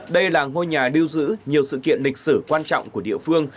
đây là ngôi nhà điêu dữ nhiều sự kiện lịch sử quan trọng của địa phương